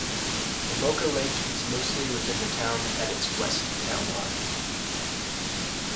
Lamoka Lake is mostly within the town at its west town line.